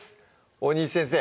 大西先生